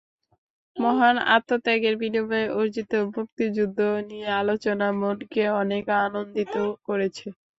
মহান আত্মত্যাগের বিনিময়ে অর্জিত মুক্তিযুদ্ধ নিয়ে আলোচনা মনকে অনেক আন্দোলিত করেছে।